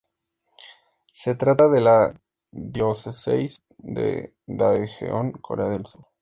Se trata de la diócesis de Daejeon, Corea del Sur.